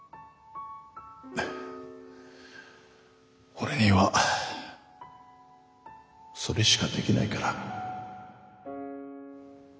俺にはそれしかできないから。